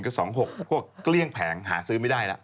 ๒๖พวกเกลี้ยงแผงหาซื้อไม่ได้แล้ว